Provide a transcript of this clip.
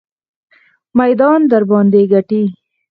میدان درباندې ګټي.